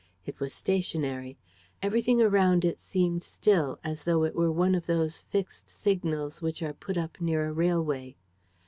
It was stationary. Everything around it seemed still, as though it were one of those fixed signals which are put up near a railway.